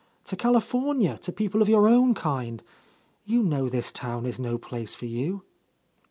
to California, to people of your own kind. You know this town is no place for you."